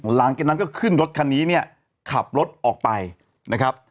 หลังจากนั้นก็ขึ้นรถคันนี้เนี่ยขับรถออกไปนะครับ